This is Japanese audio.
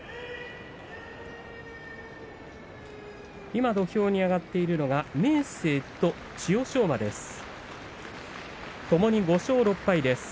今、土俵に上がっているのは明生と千代翔馬です。